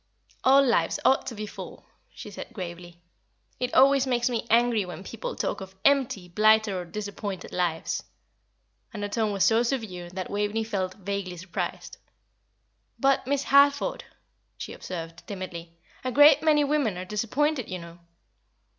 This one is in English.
"All lives ought to be full," she said, gravely. "It always makes me angry when people talk of empty, blighted, or disappointed lives;" and her tone was so severe that Waveney felt vaguely surprised. "But, Miss Harford," she observed, timidly, "a great many women are disappointed, you know."